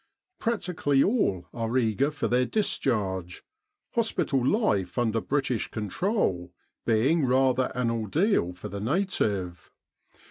Practically all are eager for their discharge, hospital life under British control being rather an ordeal for the native.